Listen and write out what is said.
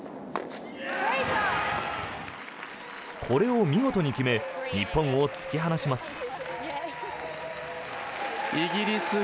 これを見事に決め日本を突き放します。